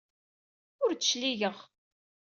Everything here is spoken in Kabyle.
Ur d-cligeɣ.